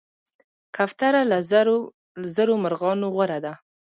کوتره له زرو مرغانو غوره ده.